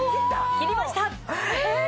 切りました！えっ！